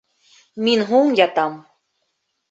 Мин һуң ятам